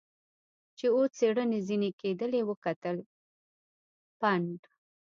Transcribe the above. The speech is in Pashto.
چې اوس څېړنې ځنې کېدلې وکتل، پنډ.